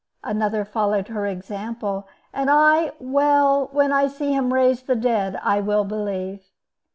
Another followed her example: "And I—well, when I see him raise the dead, I will believe."